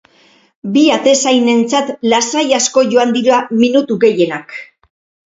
Bi atezainentzat lasai asko joan dira minutu gehienak.